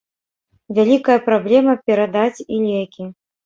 Вялікая праблема перадаць і лекі.